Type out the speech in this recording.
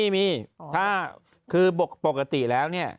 มีคือปกติแล้วนี่